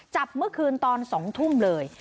จับเมื่อคืนตอน๒ทุ่มเลย